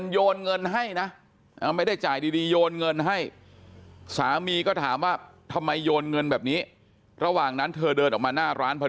ทำไมโยนเงินแบบนี้ระหว่างนั้นเธอเดินออกมาหน้าร้าน